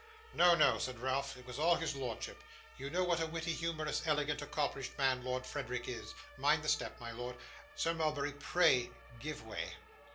'No, no,' said Ralph; 'it was all his lordship. You know what a witty, humorous, elegant, accomplished man Lord Frederick is. Mind the step, my lord Sir Mulberry, pray give way.